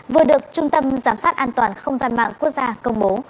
vừa được trung tâm giám sát an toàn không gian mạng quốc gia công bố